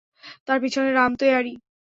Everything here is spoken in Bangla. তার পিছনে রাম তেয়াড়ী!